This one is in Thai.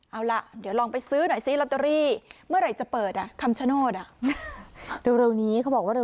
เอาล่ะเดี๋ยวลองไปซื้อหน่อยซิลอตเตอรี่